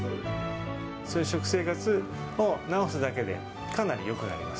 食生活を見直すだけで、かなりよくなります。